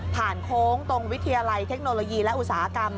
โค้งตรงวิทยาลัยเทคโนโลยีและอุตสาหกรรม